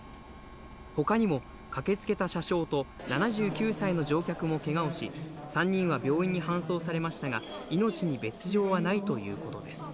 ほかにも駆けつけた車掌と７９歳の乗客もけがをし、３人は病院に搬送されましたが、命に別状はないということです。